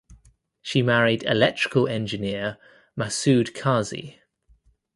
She married electrical engineer Maqsood Kazi.